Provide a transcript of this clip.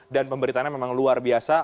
dan pemberitahannya memang luar biasa